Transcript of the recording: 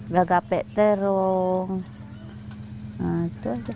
gagapet terung balenasu ikan bakar